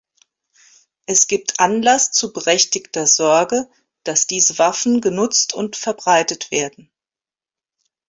Es gibt Anlass zu berechtigter Sorge, dass diese Waffen genutzt und verbreitet werden.